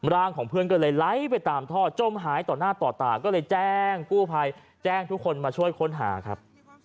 ร่างของเพื่อนก็เลยไหลไปตามท่อจมหายต่อหน้าต่อตาก็เลยแจ้งกู้ภัยแจ้งทุกคนมาช่วยค้นหาครับ